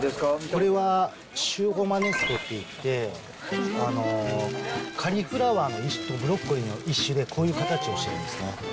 これはロマネスコっていって、カリフラワーとブロッコリーの一種で、こういう形をしているんですね。